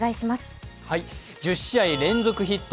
１０試合連続ヒット